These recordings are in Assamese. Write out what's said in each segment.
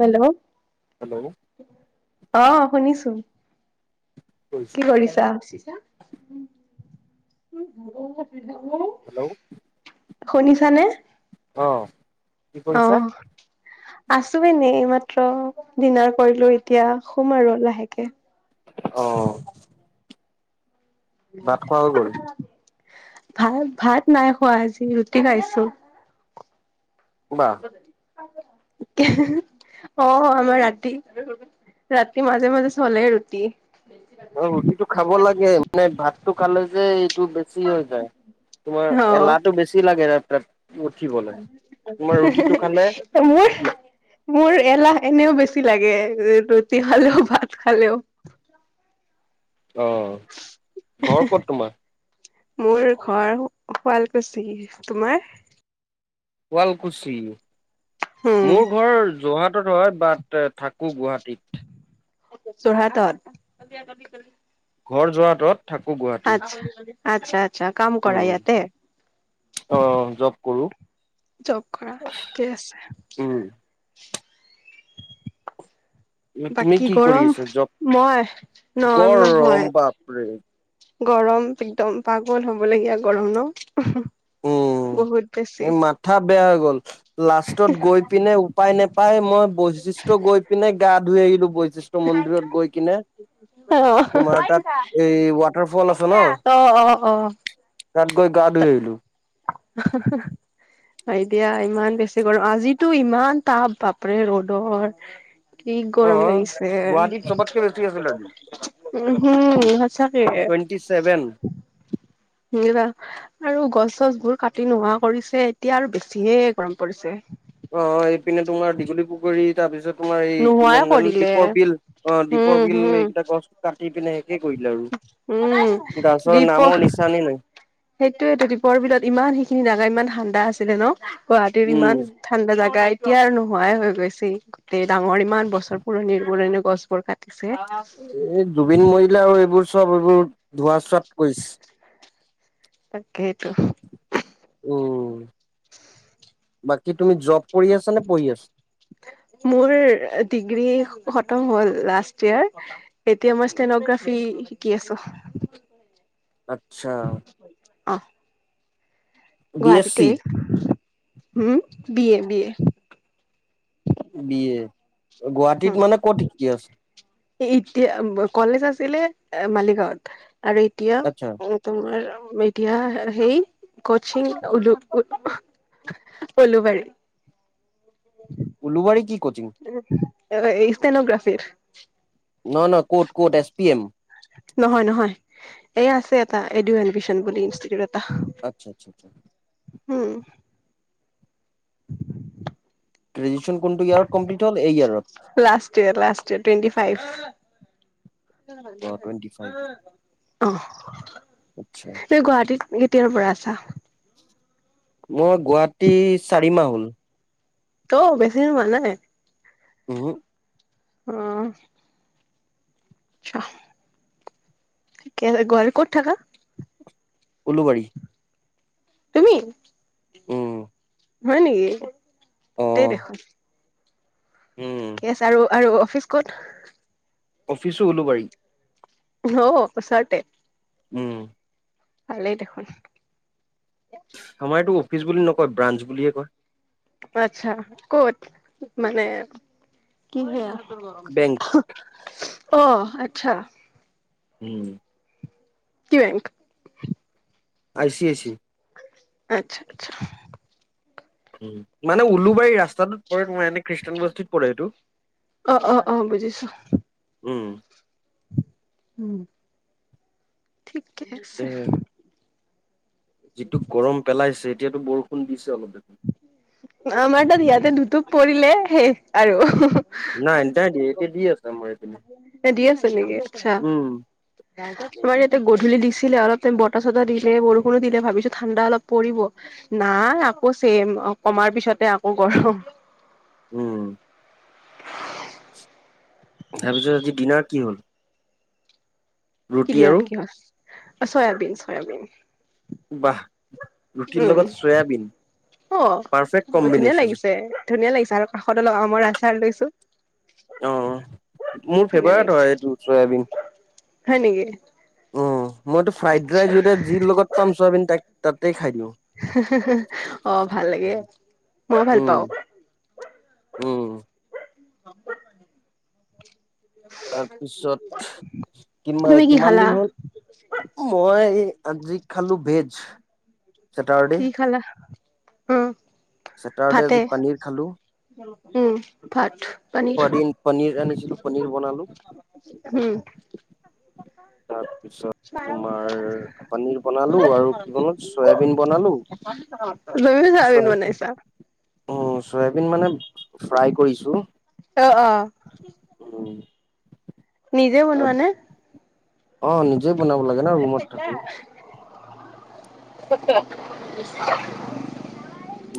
হেল্ল' হেল্ল' অ শুনিছোঁ কি কৰিছা। হেল্ল' শুনিছা নে? অঁহ। অহ আছোঁ এনে মাত্ৰ ডিনাৰ কৰিলোঁ এতিয়া শুম আৰু লাহেকে। অহ। ভাত খোৱা হৈ গ'ল। ভাত ভাত নাই খোৱা আজি ৰুটি খাইছোঁ। বাহ। অ আমাৰ ৰাতি। ৰাতি মাজে মাজে চলে ৰুটি অ ৰুটিটো খাব লাগে মানে ভাতটো খালে যে টো বেছি হৈ যায় তোমাৰ এলাহটো বেছি লাগে উঠিবলৈ তোমাৰ হে হে ৰুটিটো খালে হে, মোৰ মোৰ এলাহ এনেও বেছি লাগে ৰুটি খালেও ভাত খালেও। অ ঘৰ ক'ত তোমাৰ। মোৰ ঘৰ শুৱালকুছি তোমাৰ। শুৱালকুছি উম মোৰ ঘৰ যোৰহাট। হয় বাট থাকো গুৱাহাটীত। যোৰহাটত ঘৰ যহাটত থাকোঁ গুৱাহাটী। আচ্ছা আচ্ছা আচ্ছা কাম কৰা উম ইয়াতে। অ জব কৰো জব কৰা ঠিকেই আছে উম তুমি বাকী কি কৰি গৰম আছা জব মই নৰম গৰম বাপৰে নহয়। গৰম একদম পাগল হ'বলগীয়া গৰম নো উম। বহুত বেছি এ মাথা বেয়া হৈ গল লাষ্টত গৈ পিনে উপায় নোপায় মই বৈশিষ্ট গৈ পিনে গাত ধুই আহিলো বৈ। শষ্ট মন্দিৰত গৈ কিনে অ তোমাৰ তাত এই ৱাটাৰ ফল আছে ন। অ অ অ। তাত গৈ গা ধুই আহিলো। স স [unintelligible] দিয়া ইমান বেছি গৰম আজিতো ইমান টাপ বাপৰে ৰ'দৰ। কি অ গৰম লাগিছে। গুৱাহাটীত চবতকে বেছি আছিল আজি উ উম সচাকে টুৱেণ্টি ছেভেন নিল আৰু গছ গছ বোৰ কাটি নোহোৱা কৰিছে এতিয়া আৰু বেছিহে গৰম পৰিছে। অ এইপিনে তোমাৰ দীঘলী পুখুৰীত তাৰ পিছত তোমাৰ এই কি নোহোৱাই নাম জানো কৰিলে দীপৰ বিল অ দীপৰ উম বিল হম এইকেইটা গছ কাটি পিনে সেষে উম কৰি। গছৰ নামৰ নিচানেই নাই সেইটোয়ে এইটো দীপৰ বিলত ইমান সেইখিনি নাগা ইমান ঠাণ্ডা আছে। আছিলে ন গুৱাহাটীত উম ইমান ঠাণ্ডা জাগা এতিয়া আৰু নোহোৱাই হৈ গৈছে। ডাঙৰ ইমান বছৰ পুৰণি পুৰণি গছবোৰ কাট। এই জুবিন মৰিলা আৰু এইবোৰ চব এইবোৰ ধোঁৱা চোৱাত কইছ তাকেইতো [unintelligible] উম। বাকী তুমি জব কৰি আছা নে পঢ়ি আছা? মোৰ ডিগ্ৰী খতম হল লাষ্ট। এতিয়া মই ষ্টেনগ্ৰাফি শিকি আছো। আচ্ছা অ। বি এছ গুৱাহাটীতে চি হম বিয়ে বিয়ে বিয়ে গুৱাহাটীত হম মানে ক'ত শিকি আছে এতিয়া ব কলেজ আছিলে এ মালিগাঁৱত আৰু আচ্ছা এতিয়া তোমাৰ এতিয়া সেই কচিং উওলো। পলবাৰি। উলুবাঢ়ি কি কোচিং। ইষ্টেনোগ্ৰাফিৰ। ন ন কট কট এছ পি এম। নহয় নহয় এই আছে এটা এডিউ এডমিশন বুলি ইনষ্টিটিউট এটা। আচ্ছা আচ্ছা আচ্ছা। হম। উ ত্ৰি। [unintelligible] লাষ্ট ইয় লাষ্টিয় টো। ফাইভ [unintelligible] অ টুৱেন্টি ফাইভ অ। আচ্ছা এই গুৱাহাটীত কেতিয়াৰ পৰা আছা। মই গুৱাহাটী চাৰি মাহ হল। ত বেছি দি হোৱা নাই। উহো। আহ ক'ত থাকা উলুবাৰী তুমি উম হয় নেকি অ তেই দেখোন উম কেছ আৰু আৰু অফিচ কঁত অফিচো ওলোবাৰি অ ওচৰতে উম ভালেই দেখোন আমাৰ এইটো অফিচ বুলি নকয় ব্ৰাঞ্চ বুলিয়ে কয় আচ্ছা ক'ত মানে কি হে। বেংক অ আচ্ছা। উম কি bank I C I C আচ্ছা আচ্ছা উম মানে ওলোবাৰি এই ৰাস্তাটোত পৰে তো এনে খ্ৰীষ্টানবষ্ঠীত পৰে এইটো অ অ অ বুজিছো উম উম ঠিকে এ আছে যিটো গৰম পেলাইছে এতিয়াতো বৰষুণ দিছে অলপ দেখোন আমাৰ তাত ইয়াতে দুতুপ পৰিলে শেষ আৰু নাই এতিয়া দি এতিয়া দি আছে এইপিনে। এ দি আছে নেকি আচ্ছা উম তোমাৰ ইয়াতে গধূলি দিছিলে অলপ বতাহ চতাহ দিলে বৰষুণো দিলে ভাবিছো ঠাণ্ডা অলপ পৰিব নাই আকৌ চেম কমাৰ পিছতে আকৌ গৰম উম তাৰ পিছত আজি ডিনাৰ কি হল কি ৰুটি দিনাত আৰু কি হল অ চয়াবিন চয়াবিন বাহ ৰুটিৰ উম লগত চয়াবিন অ পাৰফেক্ট ধুনীয়া কম্বিনেশ্যন। লাগিছে ধুনীয়া লাগিছে আৰু কাষত অলপ আমৰ আচাৰ লৈছো অ অ মোৰ ধুনীয়া ফেভাৰেট হয় লাগিছে এইটো চয়াবিন হয় নেকি উ মইতো ফ্ৰাইড আচ্ছা ৰাইচ যি লগত পাম চৱাবিন তাক তাতেই খাই দিওঁ হে হে হে অ ভাল লাগে মইয়ো ভাল উম পাওঁ উম [unintelligible] তাৰপিছত কিমান তুমি কি কিমান খালা দিন হল মই আজি খালো ভেজ চেটাৰডে কি খালা উম ছেটাৰডে ভাতে আজি পানীৰ খালো উম ভাত পনীৰ পন পনীৰ আনিছিলো পনীৰ বনালো উম তাৰপিছত তোমাৰ পনীৰ বনালো [unintelligible] আৰু কি বনালো চয়াবিন বনালো [unintelligible] চাওমিন বনাইছা চয়াবিন মানে ফ্ৰাই কৰিছো অ অ উম নিজে বনোৱা নে অ নিজে বনাব লাগে ন ৰুমত থাকো সত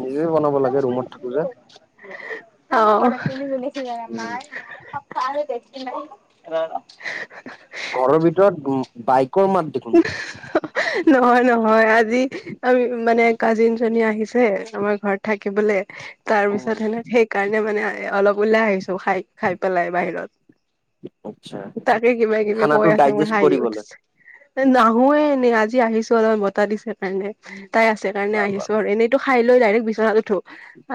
নি শু অ তু উম শুছিলমাই খান দেখি নাই অ ঘৰৰ ভিতৰত উ বাইক নহয় নহয় আজি আমি মানে কাজিন জনী আহিছে আমাৰ ঘৰত থাকিবলে তাৰ পিছত সেনে সেইকাৰণে মানে অলপ ওলাই আহিছো খাই খাই পেলাই বাহিৰত আচ্ছা তাকে কিবা কিবি কৈ খানাটো আছে মোৰ ডাইজেষ্ট হাঁহি কৰিবলৈ উঠিছে নাহোয়ে এনেই আজি আহিছো অলপ বতা দিছে কাৰণে তাই আছে কাৰণে ভাল আহিছো ভাল আৰু এনেইতো খাই লৈ ডাইৰেক্ট বিচনাত উঠো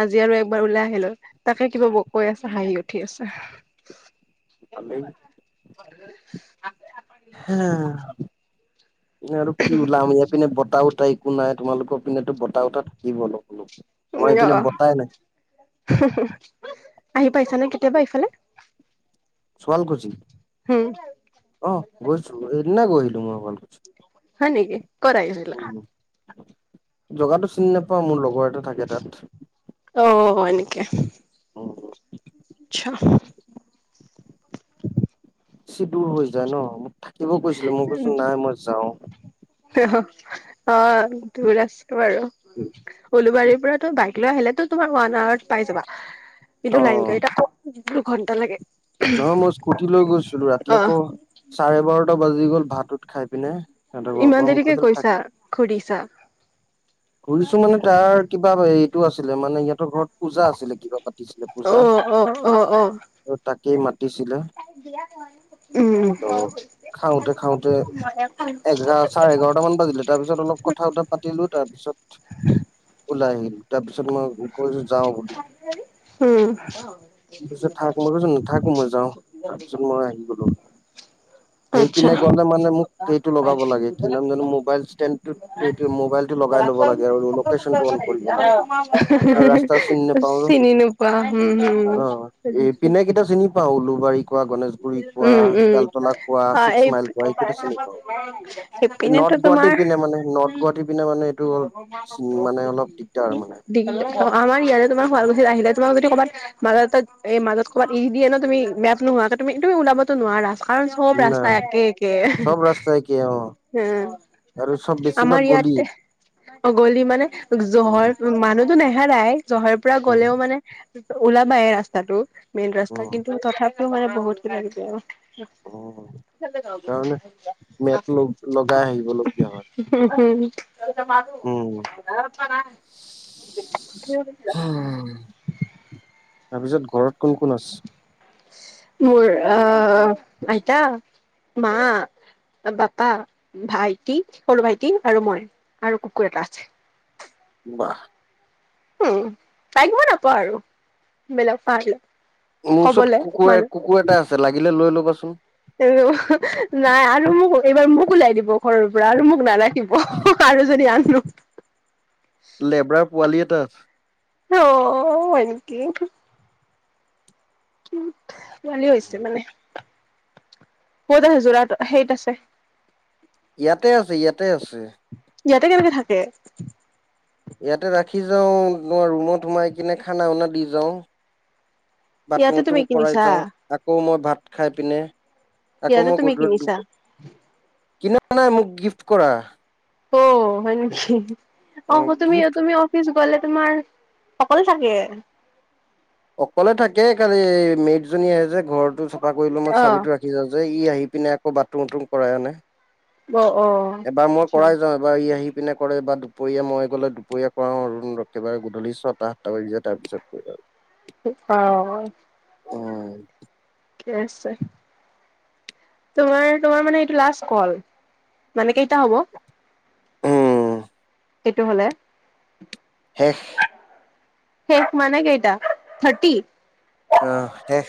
আজি আৰু এ একবাৰ ওলাই আহিলো তাকে কিবা কৈ আছে হাঁহি উঠি আছে খালো হয় আ প আৰু কি ওলাম ইয় পিনে বতাহ বতটা একো নাই তোমালোকৰ পিনেতো ব উটা উতাত থাকিব অলপল আমাৰ এইপিনে অ বতাই নাই আহি পাইছানে কেতিয়াবা ইফালে শুৱালকুছি উম অ গৈছো এইদিনা গৈছিলো মই শুৱালকুচি হয়নেকি ক'ত আহিছিলা জগাটো চিনি নাপাওঁ মোৰ লগত টো থাকে তাত অ উ আচছা বেছি দূৰ হৈ যায় ন মোক থাকিব কৈছিলে মই কৈছো নাই মই যাও আচ্ছা অ দূৰ আছো বাৰু উলুবাৰী বাইক লৈ আহিলেতো তোমাৰ ওৱান আৱাৰ পাই যাবা অ কিন্তু লাইন দু ঘণ্টা লাগে নহয় মই স্কুটি লৈ গৈছিলো ৰাতি অ', আকৌ চাৰে বাৰটা বাজি গ'ল ভাতত খাই পিনে সিহঁতৰ ঘৰৰ ইমান পৰা মোক দেৰিকে কৈছিল কৈছা ঘুৰিছা- ঘুৰিছো মানে তাৰ কিবা এইটো আছিলে মানে ইিহঁতৰ ঘৰত পূজা আছিলে কিবা পাতিছিলে পূজা অ', অ', অ', আৰু তাক কিছিলে উ খাওঁতে খাওঁতে হৈছে এঘাৰ চাৰে এঘাৰটা তাৰ ম পিছত অলপ কথা কথা পাতিলো তাৰপিছত [inaudible] ওলাই আহিল তাৰপিছত মই কৈছো যাওঁ বুলি ত উম, পিছত থাক মই কৈছো নাথাকো মই যাও তাৰপিছত মই আহি গলো [unintelligible] সেই আচ্ছা। পিনে গ'লে মানে মোক সেইটো লগাব লাগে কি মবাইল ষ্ট লাগে ৰাস্তা চিনি নাপাওঁ ন। চিনি নোপোৱা উম উম অ স এই নিশ্চয় পিনে কেইটা চিনি পাওঁ উলুবাৰী কোৱা গণেশগুৰি কোৱা উম উম বেলতলা কোৱা অ ছিক্স এই মাইল কোৱা এইকেইটা চিনি পাওঁ এই এনেতো নৰ্থ গুৱাহাটী তোমাৰ পিনে মানে নৰ্থ গুৱাহাটী পিনে মানে এইটো মানে অলপ দিগদাৰ মানে দীঘল অ আমাৰ ইয়াতে তোৰ শুৱালকুছি আহিলে তোমাক যদি ক'ৰবাত মাজ এই মাজত ক'বাত ই দিয়ে ন তুমি নোহোৱাক তুমি তুমি ওলাবতো নোৱাৰা কাৰণ চব না ৰাস্তা একে একে চব ৰাস্তা একে অ আৰু চব উম আমাৰ বেছিভাগ গলি ইয়াতে অ গলি মানে জহৰ উম মানুহ টো নেহেৰায় জহাইৰ পৰা উম গ'লেও মানে ওলাবাই এই ৰাস্তাটো মেইন ৰাস্তা উম কিন্তু তথাপিও মানে বহুত কিবা কিবি উম কাৰণ আও মেট লগ লগাই আহিবলগীয়া হয়। উম হম উম। [unintelligible] তাৰপিছত ঘৰত কোন কোন আছে? মোৰ অ আইতা মা বাপা ভাইটি সৰু ভাইটি আৰু মই আৰু কুকুৰ এটা আছে। বাহ। উম চাইব নাপাওঁ আৰু বেলেগ পাহিল মোৰ ওচৰত কুকুৰ কুকুৰ এটা আছে লাগিলে লৈ ল'বাচোন। নাই আৰু মোক এইবাৰ মোক ওলাই দিব ঘৰৰ পৰা আৰু মোক নালাই আৰু যদি আনো। লেব্ৰাৰ পোৱালি এটাত ইও হয় নেকি? কি ভালে হৈছে মানে। ক'ত আছে যোৰা সেইত আছে। ইয়াতে আছে ইয়াতে আছে। ইয়াতে কেনেকে থাকে? ইয়াতে ৰাখি যাওঁ ৰুমত সোমাই কিনে খানা উনা দি যাওঁ। বাথৰুম ইয়াতে তুমি উথৰুম কৰাই কিনিছা যাওঁ আকৌ মই ভাত খাই পিনে আকৌ ইয়াতে মই তুমি গধুল কিনিছা। দুপ কিনা নাই মোক গিফ্ট কৰা। অ হয় নিকি? অ তুমি তুমি অফিচ গ'লে তোমাৰ সকলো থাকে। অকলে থাকে খালি মেট জনী আহে যে ঘৰটো চাফা কৰি লো মই অ', চাবিতো ৰাখি যাওঁ যে। ই আহি পিনে আকৌ বাটৰোম উতুম কৰাই আনে। অ', অ'। এবাৰ মই আচ্ছা কৰাই যাওঁ এবাৰ ই আহি পিনে কৰে বা দুপৰীয়া মই গ'লে দুপৰীয়া কৰাও আৰু নহলে একেবাৰে গধুলি ছটা সাতটা বাজি যায় তাৰ পিছত কৰে আৰু। অ। উম। ঠিক আছে তোমাৰ তোমাৰ মানে এইটো লাষ্ট কল? মানে কেই কেইটা হ'ব? উম এইটো হলে শেষ। শেষ মানে কেইটা? থাৰ্টি? অহ শেষ।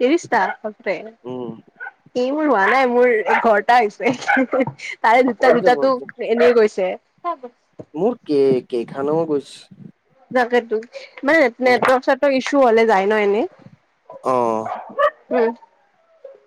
ত্ৰিশটা বাপৰে উম ই মোৰ হোৱা নাই মোৰ এঘৰটা হৈছে তাৰে দুটা হৈ যাব দুটাটো এনেই গৈছে। মোৰ কে কে খান ম গৈছ তাকেতো মানে নেটৱৰ্ক চেটৰ্ৱক ইছু হলে যায় ন এনেই? অহ। উ [inaudible]